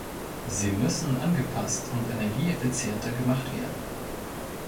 Sie müssen angepasst und energieeffizienter gemacht werden.